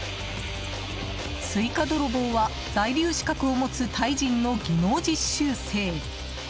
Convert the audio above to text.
スイカ泥棒は在留資格を持つタイ人の技能実習生。